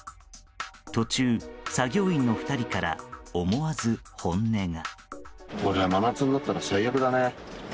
途中、作業員の２人から思わず本音が。